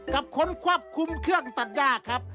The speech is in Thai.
กับคนควบคุมเครื่องตัดย่าครับ